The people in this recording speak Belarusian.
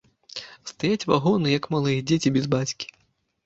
Стаяць вагоны, як малыя дзеці без бацькі.